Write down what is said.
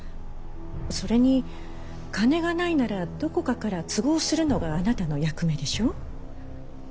それに金がないならどこかから都合するのがあなたの役目でしょう。